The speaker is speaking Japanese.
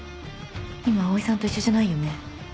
今葵さんと一緒じゃないよね？